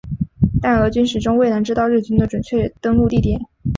但俄军始终未能知道日军的准确登陆地点。